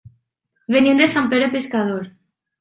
Venim de Sant Pere Pescador.